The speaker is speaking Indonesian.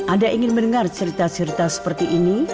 anda ingin mendengar cerita cerita seperti ini